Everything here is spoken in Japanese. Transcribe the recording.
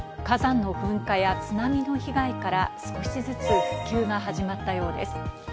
火山の噴火や津波の被害から少しずつ復旧が始まったようです。